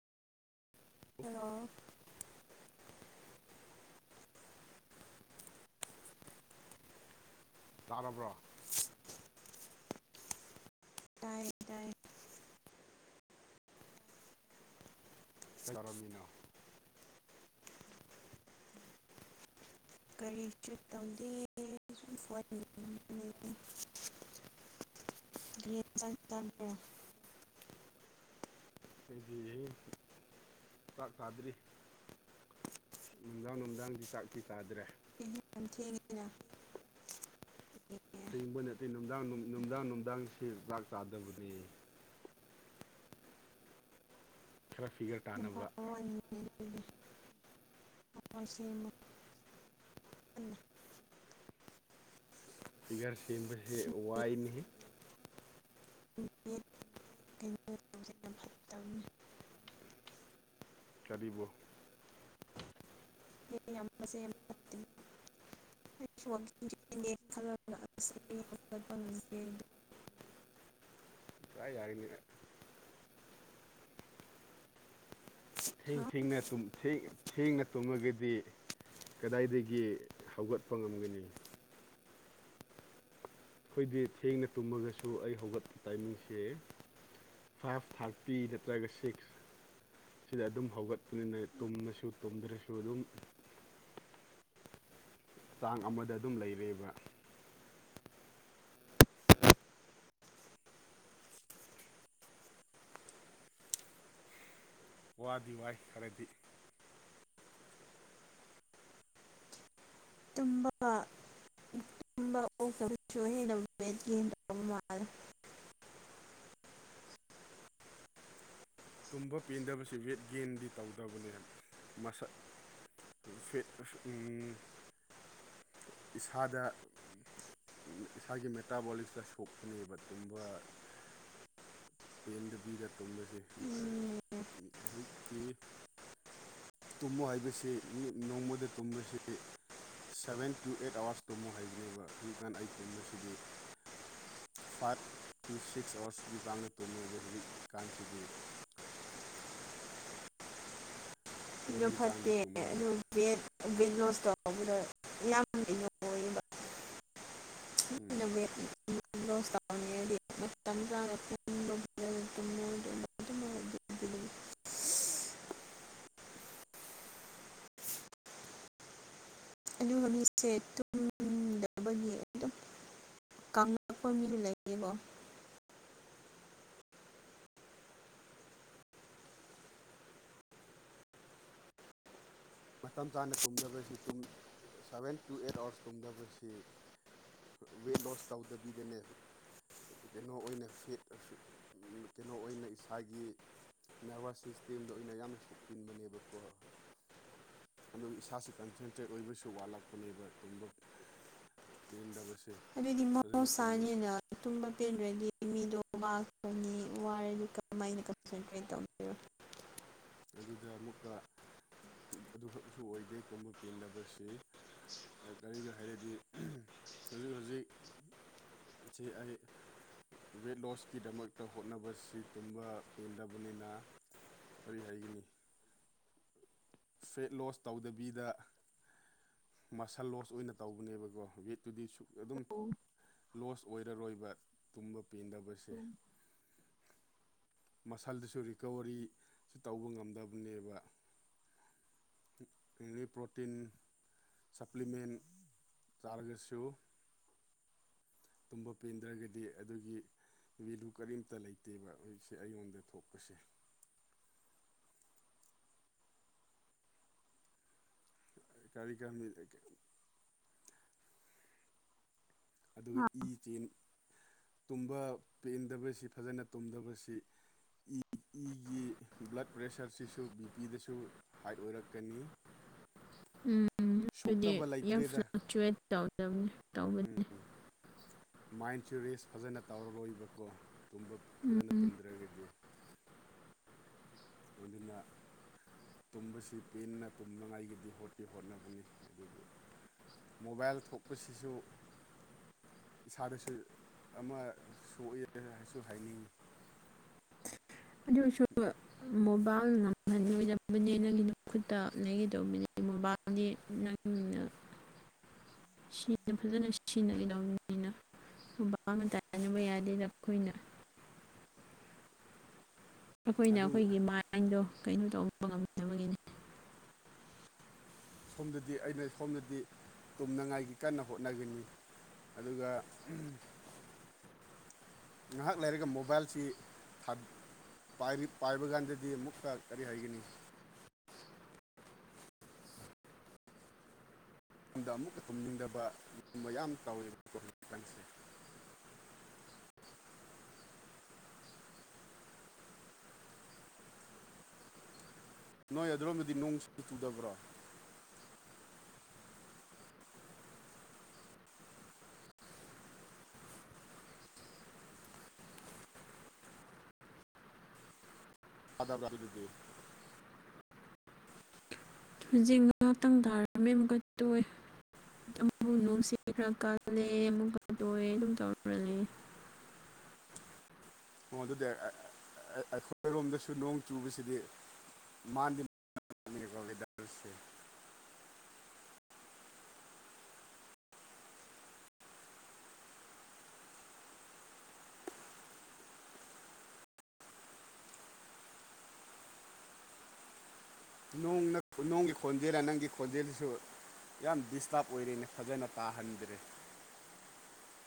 hello ꯇꯥꯔꯕ꯭ꯔꯣ ꯇꯥꯏꯌꯦ ꯇꯥꯏꯌꯦ ꯀꯩꯗꯧꯔꯝꯃꯤꯅꯣ ꯀꯔꯤꯁꯨ ꯇꯧꯗꯦ ꯁꯨꯝ ꯐꯣꯟ ꯌꯦꯡꯉꯝꯕꯅꯤ ꯀ꯭ꯔꯤ ꯏꯟꯁꯥꯡ ꯆꯥꯕ꯭ꯔꯣ [unintelligible] ꯆꯥꯛ ꯆꯥꯗꯔꯤ ꯅꯨꯡꯗꯥꯡ ꯅꯨꯡꯗꯥꯡꯗꯤ ꯆꯥꯛꯇꯤ ꯆꯥꯗ꯭ꯔꯦ ꯊꯦꯡꯉꯤꯅ ꯊꯦꯡꯕ ꯅꯠꯇꯦ ꯅꯨꯡꯗꯥꯡ ꯅꯨꯡ ꯅꯨꯡꯗꯥꯡ ꯅꯨꯡꯗꯥꯡꯁꯤ ꯆꯥꯛ ꯆꯥꯗꯕꯅꯦ ꯈꯔ ꯐꯤꯒꯔ ꯌꯥꯝ ꯇꯥꯅꯕ ꯐꯥꯎꯔꯅꯤꯅꯦ ꯎꯟ ꯁꯦꯝꯃꯨ ꯐꯤꯒꯔ ꯁꯦꯝꯕꯁꯦ ꯋꯥꯏꯅꯦꯍꯦ ꯀꯩꯅꯣ ꯇꯧꯕꯁꯦ ꯌꯥꯝ ꯐꯠꯇꯕꯅꯤ ꯀꯔꯤꯕꯨ [unintelligible] ꯌꯥꯝ ꯐꯠꯇꯦ ꯑꯩꯁꯨ ꯋꯥꯛꯀꯤꯡ ꯆꯦꯟꯒꯦ ꯈꯜꯂꯒ ꯑꯁꯦꯡꯕꯩ ꯍꯧꯒꯠꯄ ꯉꯝꯗꯦ ꯑꯩꯗꯨ ꯀꯔꯥꯏ ꯌꯥꯔꯤꯅꯤꯑꯦ ꯊꯦꯡ ꯍꯥ ꯊꯦꯡꯅ ꯇꯨꯝ ꯊꯦꯡ ꯊꯦꯡꯅ ꯇꯨꯝꯃꯒꯗꯤ ꯀꯗꯥꯏꯗꯒꯤ ꯍꯧꯒꯠꯄ ꯉꯝꯒꯅꯤ ꯈꯣꯏꯗꯤ ꯊꯦꯡꯅ ꯇꯨꯝꯃꯒꯁꯨ ꯑꯩ ꯍꯧꯒꯠꯄ ꯇꯥꯏꯃꯤꯡꯁꯦ ꯐꯥꯏꯚ ꯊꯥꯔꯇꯤ ꯅꯠꯇ꯭ꯔꯒ ꯁꯤꯛꯁ ꯁꯤꯗ ꯑꯗꯨꯝ ꯍꯧꯒꯠꯄꯅꯤꯅ ꯇꯨꯝꯃꯁꯨ ꯇꯨꯝꯗ꯭ꯔꯁꯨ ꯑꯗꯨꯝ ꯆꯥꯡ ꯑꯃꯗ ꯑꯗꯨꯝ ꯂꯩꯔꯦꯕ ꯋꯥꯗꯤ ꯋꯥꯏ ꯈꯔꯗꯤ ꯇꯨꯝꯕꯒ ꯇꯨꯝꯕ ꯑꯣꯛꯇꯕꯁꯨ ꯍꯦꯟꯅ [unintelligible] ꯃꯥꯜꯂꯦ ꯇꯨꯝꯕ ꯄꯦꯟꯗꯕꯁꯦ ꯋꯦꯠ ꯒꯦꯟꯗꯤ ꯇꯧꯗꯕꯅꯦ ꯍꯥꯏꯕ ꯃꯁꯛ [unintelligible] ꯎꯝ ꯏꯁꯥꯗ ꯏꯁꯥꯒꯤ ꯃꯦꯇꯥꯕꯣꯂꯤꯛꯁꯇ ꯁꯣꯛꯄꯅꯦꯕ ꯇꯨꯝꯕ ꯄꯦꯟꯗꯕꯤꯗ ꯇꯨꯝꯕꯁꯤ ꯑ ꯎꯝ [unintelligible] ꯇꯨꯝꯃꯣ ꯍꯥꯏꯕꯁꯤ ꯃꯤ ꯅꯣꯡꯃꯗ ꯇꯨꯝꯕꯁꯤ ꯁꯚꯦꯟ ꯇꯨ ꯑꯦꯠ ꯑꯋꯥꯔꯁ ꯇꯨꯝꯃꯣ ꯍꯥꯏꯕꯅꯦꯕ ꯍꯧꯖꯤꯛꯀꯥꯟ ꯑꯩ ꯇꯨꯝꯕꯁꯤꯗꯤ ꯐꯥꯏꯚ ꯇꯨ ꯁꯤꯛꯁ ꯑꯋꯥꯔꯁꯀꯤ ꯆꯥꯡꯗ ꯇꯨꯝꯃꯦ ꯑꯗꯣ ꯍꯧꯖꯤꯛꯀꯥꯟꯁꯤꯗꯤ ꯗꯣ ꯀꯩꯅꯣꯒꯤ ꯆꯥꯡꯗ ꯐꯠꯇꯦ ꯇꯨꯝꯃꯝꯃꯦ ꯑꯗꯨ ꯋꯦꯠ ꯋꯦꯠ ꯂꯣꯁ ꯇꯧꯕꯗ ꯌꯥꯝ ꯑꯣꯏꯌꯦꯕ ꯑꯩꯅ ꯎꯝ ꯋꯦꯠ ꯂꯣꯁ ꯇꯧꯅꯤꯉꯥꯗꯤ ꯃꯇꯝ ꯆꯥꯅꯥ ꯇꯨꯝ [unintelligible] [inaudible] ꯑꯗꯨꯒ ꯃꯤꯠꯁꯦ ꯇꯨ ꯗꯕꯒꯤ ꯑꯗꯨꯝ ꯀꯥꯡꯂꯨ ꯍꯣꯏ ꯃꯤꯗ ꯂꯩ ꯔꯤꯕꯣ ꯃꯇꯝ ꯆꯥꯅ ꯇꯨꯝꯗꯕꯁꯤ ꯇꯨꯝ ꯁꯚꯦꯟ ꯇꯨ ꯑꯦꯠ ꯑꯥꯋꯥꯔꯁ ꯇꯨꯝꯗꯕꯁꯤ ꯋꯦꯠ ꯂꯣꯁ ꯇꯧꯗꯕꯤꯗꯅꯦ ꯀꯩꯅꯣ ꯑꯣꯏꯅ ꯐꯦ ꯑꯐ ꯎꯝ ꯀꯩꯅꯣ ꯑꯣꯏꯅ ꯏꯁꯥꯒꯤ ꯅꯔꯚꯁ ꯁꯤꯁꯇꯦꯝꯗ ꯑꯣꯏꯅ ꯌꯥꯝꯅ ꯁꯣꯛꯆꯤꯟꯕꯅꯦꯕꯀꯣ ꯑꯗꯨꯒ ꯏꯁꯥꯥꯁꯤ ꯀꯟꯁꯦꯟꯇ꯭ꯔꯦꯠ ꯑꯣꯏꯕꯁꯨ ꯋꯥꯠꯂꯛꯄꯅꯦꯕ ꯇꯨꯝꯕ ꯄꯦꯟꯗꯕꯁꯦ ꯑꯗꯨꯗꯤ ꯐꯖꯅ ꯇꯨꯝꯗꯕꯁꯦ ꯃꯍꯧꯁꯥꯅꯤꯅ ꯇꯨꯝꯕ ꯄꯦꯟꯗ꯭ꯔꯗꯤ ꯃꯤꯗꯣ ꯋꯥꯒꯅꯤ ꯋꯥꯔꯗꯤ ꯀꯃꯥꯏꯅ ꯀꯟꯁꯦꯟꯇ꯭ꯔꯦꯠ ꯇꯧ ꯑꯗꯨꯗ ꯑꯃꯨꯛꯀ ꯑꯗꯨꯈꯛꯁꯨ ꯑꯣꯏꯗꯦ ꯇꯨꯝꯕ ꯄꯦꯟꯗꯕꯁꯦ ꯀ ꯀꯔꯤꯒ ꯍꯥꯏꯔꯗꯤ ꯑꯍꯝ ꯍꯧꯖꯤꯛ ꯍꯧꯖꯤꯛ ꯁꯤ ꯑꯩ ꯋꯦꯠ ꯂꯣꯁꯀꯤꯗꯃꯛꯇ ꯍꯣꯠꯅꯕꯁꯤ ꯇꯨꯝꯕ ꯄꯦꯟꯗꯕꯅꯦꯅ ꯀꯔꯤ ꯍꯥꯏꯒꯅꯤ ꯐꯦꯠ ꯂꯣꯁ ꯇꯧꯗꯕꯤꯗ ꯃꯁꯜ ꯂꯣꯁ ꯑꯣꯏꯅ ꯇꯧꯕꯅꯦꯕꯀꯣ ꯋꯦꯠꯇꯨꯗꯤ ꯁꯨꯛ ꯑꯗꯨꯝ ꯂꯣꯁ ꯑꯣꯏꯔꯔꯣꯏꯕ ꯇꯨꯝꯕ ꯄꯦꯟꯗꯕ ꯎꯝ ꯃꯁꯜꯗꯨꯁꯨ ꯔꯤꯀꯕꯔꯤ ꯁꯨ ꯇꯧꯕ ꯉꯝꯗꯕꯅꯦꯕ ꯄ꯭ꯔꯣꯇꯤꯟ ꯁꯄ꯭ꯂꯤꯃꯦꯟ ꯆꯥꯔꯒꯁꯨ ꯇꯨꯝꯕ ꯄꯦꯟꯗ꯭ꯔꯒꯗꯤ ꯑꯗꯨꯒꯤ ꯚꯦꯂꯨ ꯀꯔꯤꯝꯇ ꯂꯩꯇꯦꯕ ꯍꯧꯖꯤꯛꯁꯦ ꯑꯩꯉꯣꯟꯗ ꯊꯣꯛꯄꯁꯦ ꯀꯥꯔꯤꯒ ꯃꯤ ꯂꯩ ꯀꯦ ꯑꯗꯨꯒ ꯏ ꯆꯦꯟ ꯇꯨꯝꯕ ꯄꯦꯟꯗꯕꯁꯤ ꯐꯖꯅ ꯇꯨꯝꯗꯕꯁꯤ ꯏꯒꯤ ꯕ꯭ꯂꯗ ꯄ꯭ꯔꯦꯁꯔꯁꯤꯁꯨ ꯕꯤ ꯄꯤꯗꯁꯨ ꯍꯥꯏꯠ ꯑꯣꯏꯔꯛꯀꯅꯤ ꯎꯝ ꯑꯗꯨꯗꯤ ꯁꯣꯛꯇꯕ ꯌꯥꯝ ꯂꯩꯇ꯭ꯔꯦꯗ ꯐ꯭ꯂꯛꯆꯨꯋꯦꯠ ꯇꯧꯗꯕꯅꯤ ꯎꯝ ꯇꯧꯕꯗꯨꯅꯤ ꯃꯥꯏꯟꯁꯨ ꯔꯦꯁ ꯐꯖꯅ ꯇꯧꯔꯔꯣꯏꯕꯀꯣ ꯇꯨꯝꯕ ꯐꯖꯅ ꯎꯝ ꯇꯨꯝꯗ꯭ꯔꯒꯗꯤ ꯑꯗꯨꯅ ꯇꯨꯝꯕꯁꯤ ꯄꯦꯟꯅ ꯇꯨꯝꯅꯉꯥꯏꯒꯤꯗꯤ ꯍꯣꯠꯇꯤ ꯍꯣꯠꯅꯕꯅꯤ ꯑꯗꯨꯕꯨ ꯃꯣꯕꯥꯏꯜ ꯊꯣꯛꯄꯁꯤꯁꯨ ꯏꯁꯥꯗꯁꯨ ꯑꯃ ꯁꯣꯛꯑꯦ ꯍꯥꯏꯁꯨ ꯍꯥꯏꯅꯤꯡꯏ ꯑꯗꯨ ꯑꯣꯏꯁꯨ ꯃꯣꯕꯥꯏꯜ ꯅꯝꯍꯟ ꯑꯣꯏꯗꯕꯅꯦ ꯅꯪꯒꯤ ꯈꯨꯠꯇ ꯂꯩꯒꯗꯧꯕꯅꯦ ꯃꯣꯕꯥꯏꯜ [unintelligible] [inaudible] ꯁꯤꯅ ꯐꯖꯅ ꯁꯤꯅꯒꯗꯧꯕꯅꯤꯅ ꯃꯣꯕꯥꯏꯜꯗꯥ ꯇꯥꯏꯅꯕ ꯌꯥꯗꯦꯗ ꯑꯩꯈꯣꯏꯅ ꯑꯩꯈꯣꯏꯅ ꯑꯗꯨ ꯑꯩꯈꯣꯏꯒꯤ ꯃꯥꯏꯟꯗꯣ ꯀꯩꯅꯣ ꯇꯧꯕ ꯉꯝꯗꯕꯒꯤꯅꯤ ꯁꯣꯝꯗꯗꯤ ꯑꯩꯅ ꯁꯣꯝꯗꯗꯤ ꯇꯨꯝꯅꯉꯥꯏꯒꯤ ꯀꯟꯅ ꯍꯣꯠꯅꯒꯅꯤ ꯑꯗꯨꯒ ꯉꯍꯥꯛ ꯂꯩꯔꯒ ꯃꯣꯕꯥꯏꯜꯁꯤ ꯊꯥ ꯄꯥꯏꯔꯤ ꯄꯥꯏꯕ ꯀꯥꯟꯗꯗꯤ ꯑꯃꯨꯛꯀ ꯀꯔꯤ ꯍꯥꯏꯒꯅꯤ ꯑꯃꯨꯛꯀ ꯇꯨꯝꯅꯤꯡꯗꯕ ꯌꯥꯝ ꯇꯧꯋꯦꯕ ꯍꯧꯖꯤꯛꯀꯥꯟꯁꯦ ꯅꯣꯏ ꯑꯗꯨꯔꯣꯝꯗꯗꯤ ꯅꯣꯡꯁꯤ ꯆꯨꯗꯕ꯭ꯔꯣ [unintelligible] ꯍꯨꯖꯤꯛ ꯅꯣꯡ ꯉꯥꯛꯇꯪ ꯇꯥꯔꯝꯃꯦ ꯑꯃꯨꯛꯀ ꯇꯣꯛꯑꯦ ꯑꯃꯨꯛ ꯅꯨꯡꯁꯤ ꯈꯔ ꯀꯜꯂꯦ ꯑꯃꯨꯛꯀ ꯇꯣꯛꯑꯦ ꯑꯗꯨꯝ ꯇꯧꯔꯨ ꯂꯩꯌꯦ ꯑꯣ ꯑꯗꯨꯗꯤ ꯑꯩꯈꯣꯏꯔꯣꯝꯗꯁꯨ ꯅꯣꯡ ꯆꯨꯕꯁꯤꯗꯤ [unintelligible] ꯅꯣꯡ ꯅꯣꯡꯒꯤ ꯈꯣꯟꯖꯦꯜꯔꯥ ꯅꯪꯒꯤ ꯈꯣꯟꯖꯦꯜꯁꯨ ꯌꯥꯝ ꯗꯤꯁꯇ꯭ꯔꯕ ꯑꯣꯏꯔꯦꯅꯦ ꯐꯖꯅ ꯇꯥꯍꯟꯗ꯭ꯔꯦ